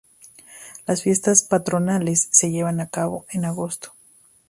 Las fiestas patronales se llevan a cabo en agosto.